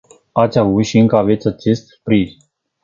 Ați avut și încă aveți acest sprijin.